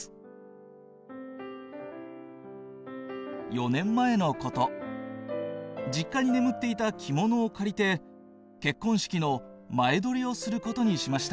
「４年前のこと、実家に眠っていた着物を借りて、結婚式の前撮りをすることにしました。